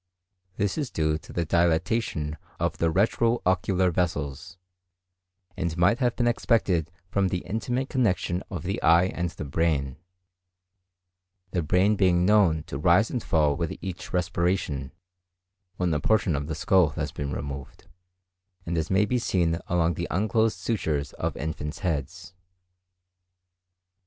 This is due to the dilatation of the retro ocular vessels, and might have been expected from the intimate connection of the eye and brain; the brain being known to rise and fall with each respiration, when a portion of the skull has been removed; and as may be seen along the unclosed sutures of infants' heads.